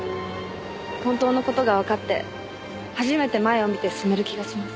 本当の事がわかって初めて前を見て進める気がします。